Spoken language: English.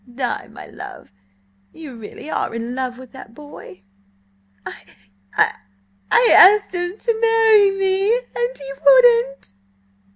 "Di, my love, you really are in love with that boy?" "I–I–I asked him to marry me–and he wouldn't!"